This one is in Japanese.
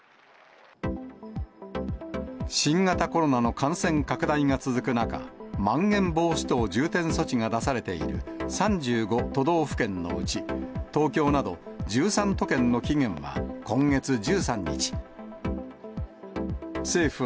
新型コロナの感染拡大が続く中、まん延防止等重点措置が出されている３５都道府県のうち、東京など１３都県の期限は今月１３日。